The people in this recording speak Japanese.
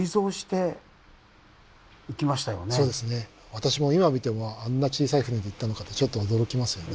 私も今見てもあんな小さい船で行ったのかとちょっと驚きますよね。